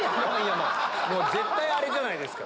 もう絶対あれじゃないですか。